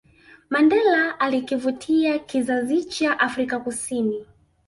Mandela alikivutia kizazicha Afrika Kusini